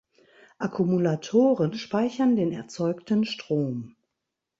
Akkumulatoren speichern den erzeugten Strom.